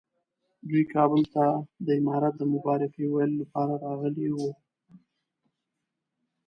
دوی کابل ته د امارت د مبارکۍ ویلو لپاره راغلي وو.